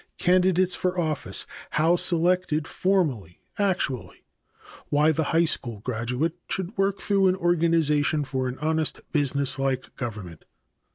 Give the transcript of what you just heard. Candidates for office, how selected, formally, actually. Why the high school graduate should work through an organization for an honest, business like government.